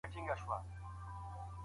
ړوند سړی د ږیري سره ډېري مڼې نه خوري.